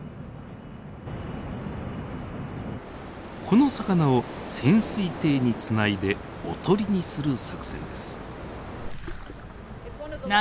この魚を潜水艇につないでおとりにする作戦です。